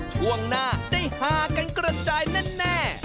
ช่วงหน้าได้ฮากันกระจายแน่